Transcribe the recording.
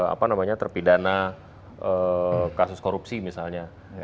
apa namanya terpidana kasus korupsi misalnya